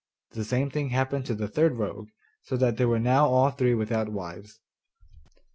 The same thing happened to the third rogue, so that they were now all three without wives.